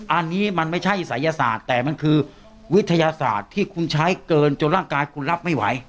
อันนี้มันไม่ใช่ศัยศาสตร์แต่มันคือวิทยาศาสตร์ที่คุณใช้เกินจนร่างกายคุณรับไม่ไหว